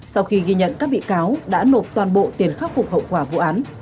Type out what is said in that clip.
sau khi ghi nhận các bị cáo đã nộp toàn bộ tiền khắc phục hậu quả vụ án